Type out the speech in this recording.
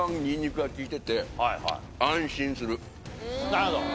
なるほど。